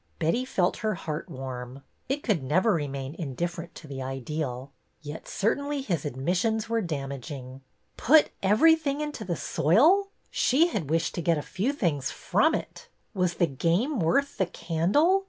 Betty felt her heart warm. It could never remain indifferent to the ideal. Yet certainly his admissions were damaging. " Put everything ''WE REGRET'* 159 into the soil !" She had wished to get a few things from it. Was the game worth the candle?